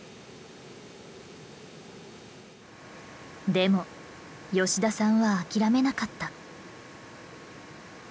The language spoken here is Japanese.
でも吉田さんは諦めなかった。